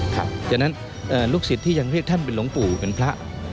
ฉะนั้นลูกศิษย์ที่ยังเรียกท่านเป็นหลวงปู่เป็นพระ